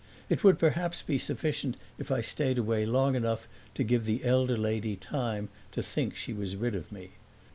It would perhaps be sufficient if I stayed away long enough to give the elder lady time to think she was rid of me.